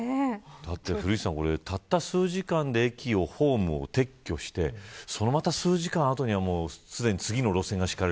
だって古市さんたった数時間で駅のホームを撤去してそのまた数時間後にはすでに次の路線が敷かれる。